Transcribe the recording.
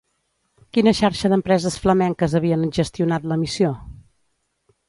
Quina xarxa d'empreses flamenques havien gestionat la missió?